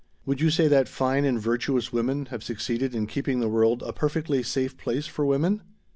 "Would you say that 'fine and virtuous women' have succeeded in keeping the world a perfectly safe place for women?"